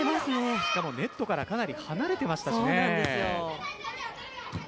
しかもネットからかなり離れていましたからね。